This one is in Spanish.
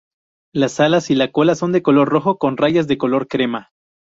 Las alas y la cola son de color rojo con rayas de color crema.